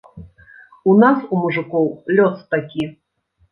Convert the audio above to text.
У нас, у мужыкоў, лёс такі.